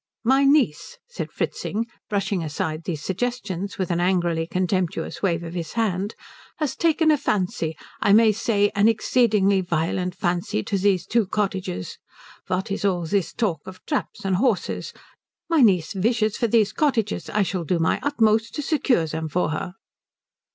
"My niece," said Fritzing, brushing aside these suggestions with an angrily contemptuous wave of his hand, "has taken a fancy I may say an exceedingly violent fancy to these two cottages. What is all this talk of traps and horses? My niece wishes for these cottages. I shall do my utmost to secure them for her."